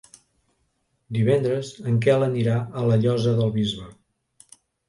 Divendres en Quel anirà a la Llosa del Bisbe.